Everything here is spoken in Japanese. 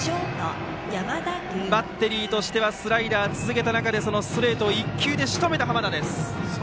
バッテリーとしてはスライダー続けた中でストレートを１球でしとめた濱田。